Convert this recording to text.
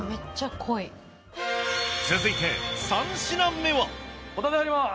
続いて３品目は？